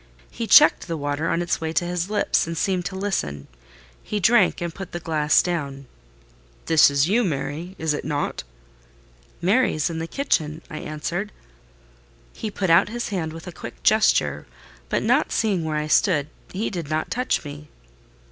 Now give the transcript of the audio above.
He checked the water on its way to his lips, and seemed to listen: he drank, and put the glass down. "This is you, Mary, is it not?" "Mary is in the kitchen," I answered. He put out his hand with a quick gesture, but not seeing where I stood, he did not touch me.